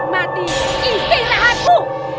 tidak tenang menikmati istirahatmu